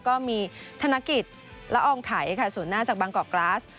ก็มีธนกิจละอองไขค่ะส่วนหน้าจากบางกอกกราส